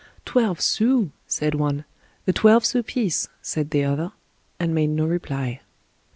"Twelve sous," said one. "A twelve sous piece," said the other, and made no reply.